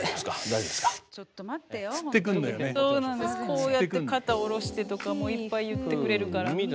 こうやって肩下ろしてとかいっぱい言ってくれるから。